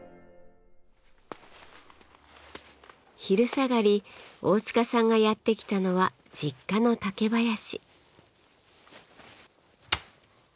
昼下がり大塚さんがやって来たのは実家の竹林。